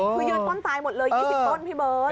คือยืนต้นตายหมดเลย๒๐ต้นพี่เบิร์ต